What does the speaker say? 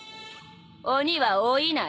鬼は老いない。